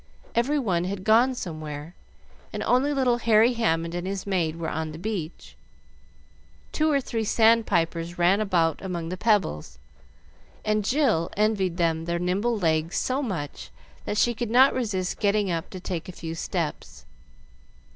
Every one had gone somewhere, and only little Harry Hammond and his maid were on the beach. Two or three sand pipers ran about among the pebbles, and Jill envied them their nimble legs so much, that she could not resist getting up to take a few steps.